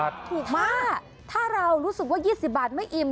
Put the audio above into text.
ถ้าเรารู้สึกว่า๒๐บาทไม่อิ่ม